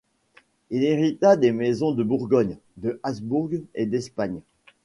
Il hérita des maisons de Bourgogne, de Habsbourg et d'Espagne.